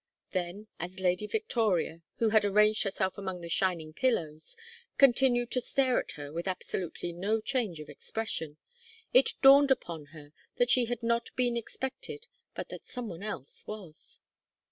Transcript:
Then, as Lady Victoria, who had arranged herself among the shining pillows, continued to stare at her with absolutely no change of expression, it dawned upon her that she had not been expected but that some one else was.